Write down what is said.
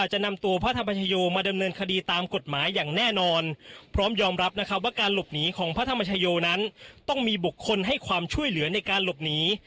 ให้บุคคลให้ความช่วยเหลือในการหลบหนี